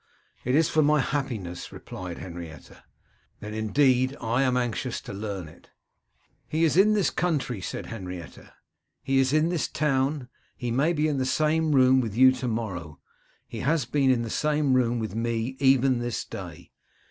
'It is for my happiness,' replied Henrietta. 'Then, indeed, I am anxious to learn it.' 'He is in this country,' said Henrietta, 'he is in this town; he may be in the same room with you to morrow; he has been in the same room with me even this day.